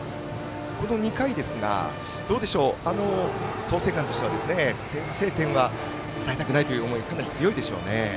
この２回ですが、創成館としては先制点は与えたくないという思いは強いでしょうね。